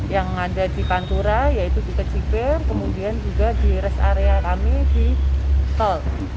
yang ada di pantura yaitu di kecipir kemudian juga di rest area kami di tol